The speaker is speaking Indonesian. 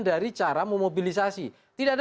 dari cara memobilisasi tidak ada